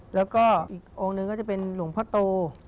แล้วก็อีกองค์หนึ่งก็จะเป็นหลวงพ่อโต